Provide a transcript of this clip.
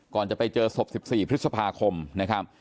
จะไปเจอศพ๑๔พฤษภาคมนะครับ